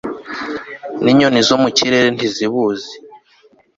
n'inyoni zo mu kirere ntizibuzi